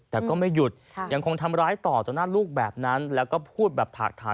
แต่ก็ไม่หยุดยังคงทำร้ายต่อต่อหน้าลูกแบบนั้นแล้วก็พูดแบบถากฐาน